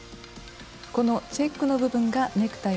このチェックの部分がネクタイです。